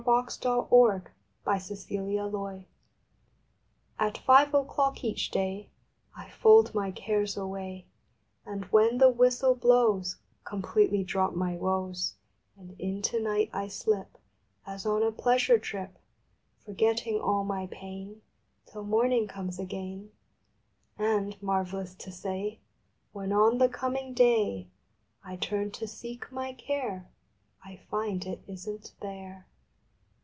June Eleventh A FREQUENT CURE AT five o clock each day *" I fold my cares away, And when the whistle blows Completely drop my woes, And into night I slip, As on a pleasure trip, Forgetting all my pain Till morning comes again; And, marvelous to say, When on the coming day I turn to seek my care I find it isn t there.